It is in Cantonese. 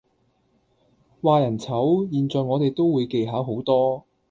話人醜，現在我哋都會技巧好多